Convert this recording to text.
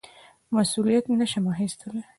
مسوولیت نه شم اخیستلای.